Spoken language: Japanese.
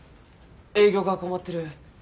営業が困ってる。